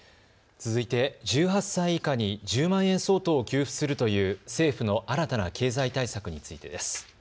続いて、１８歳以下に１０万円相当を給付するという政府の新たな経済対策についてです。